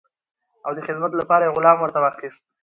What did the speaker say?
او د خدمت لپاره یې غلام ورته واخیست.